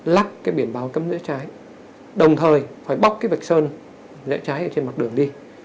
lắc cái biển báo cấm rẽ trái đồng thời phải bóc cái vạch sơn rẽ trái ở trên mặt đường đi